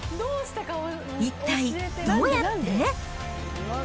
一体どうやって？